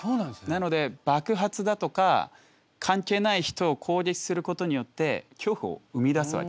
なので爆発だとか関係ない人を攻撃することによって恐怖を生み出すわけですよね。